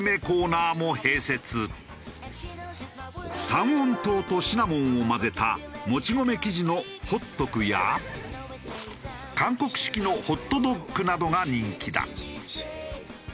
三温糖とシナモンを混ぜたもち米生地のホットクや韓国式のホットドックなどが人気だ。